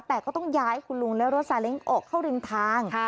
แต่ก็ต้องย้ายคุณลุงและรถซาเล้งออกเข้าริมทาง